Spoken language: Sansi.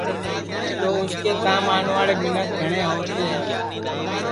تو اُس کے کام آوڻْواݪے مینکھ گھڻْے ہووتے ہے